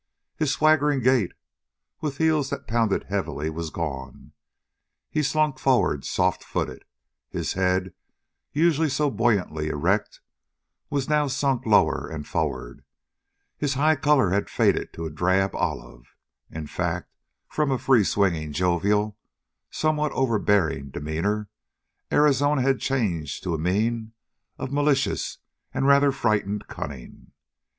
His swaggering gait, with heels that pounded heavily, was gone. He slunk forward, soft footed. His head, usually so buoyantly erect, was now sunk lower and forward. His high color had faded to a drab olive. In fact, from a free swinging, jovial, somewhat overbearing demeanor, Arizona had changed to a mien of malicious and rather frightened cunning.